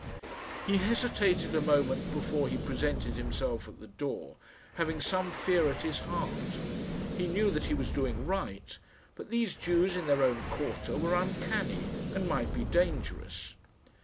He hesitated a moment before he presented himself at the door, having some fear at his heart. He knew that he was doing right, but these Jews in their own quarter were uncanny, and might be dangerous!